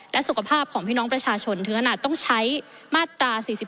และสุขภาพของพี่น้องประชาชนถึงขนาดต้องใช้มาตรา๔๔